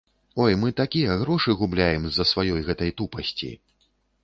Ой, мы такія грошы губляем з-за сваёй гэтай тупасці.